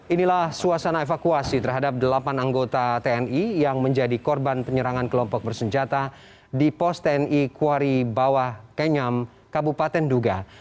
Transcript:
inilah suasana evakuasi terhadap delapan anggota tni yang menjadi korban penyerangan kelompok bersenjata di pos tni kuari bawah kenyam kabupaten duga